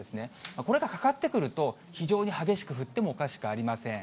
これがかかってくると、非常に激しく降ってもおかしくありません。